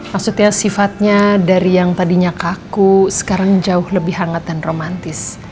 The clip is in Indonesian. maksudnya sifatnya dari yang tadinya kaku sekarang jauh lebih hangat dan romantis